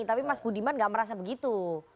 tapi mas buniman tidak merasa begitu